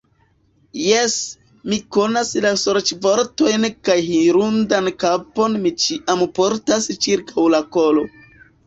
Jes, mi konas la sorĉvortojn kaj hirundan kapon mi ĉiam portas ĉirkaŭ la kolo.